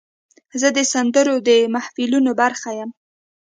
زه د سندرو د محفلونو برخه یم.